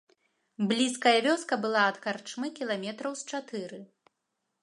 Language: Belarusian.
Блізкая вёска была ад карчмы кіламетраў з чатыры.